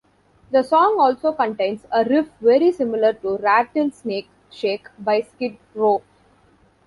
The song also contains a riff very similar to "Rattlesnake Shake" by Skid Row.